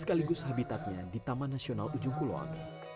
sekaligus habitatnya di taman nasional ujung kulon